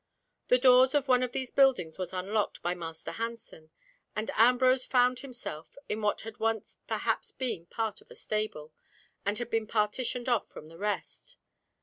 The doors of one of these buildings was unlocked by Master Hansen, and Ambrose found himself in what had once perhaps been part of a stable, but had been partitioned off from the rest.